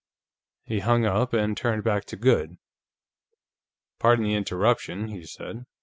He hung up and turned back to Goode. "Pardon the interruption," he said.